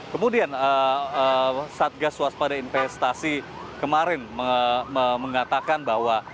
kemudian satgas waspada investasi kemarin mengatakan bahwa